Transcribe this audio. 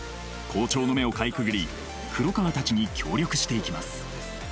校長の目をかいくぐり黒川たちに協力していきます